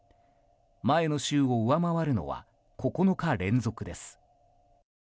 前の週を上回るのは９日連続です。